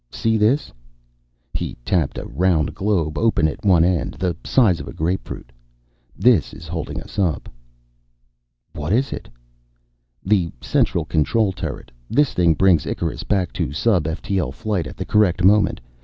"See this?" He tapped a round globe, open at one end, the size of a grapefruit. "This is holding us up." "What is it?" "The central control turret. This thing brings Icarus back to sub ftl flight at the correct moment.